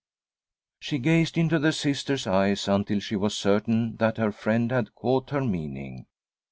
She gazed into the Sister's eyes until she was certain that her friend had caught her meaning.